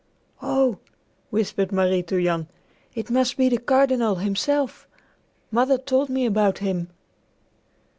"Oh," whispered Marie to Jan, "it must be the Cardinal himself. Mother told me about him."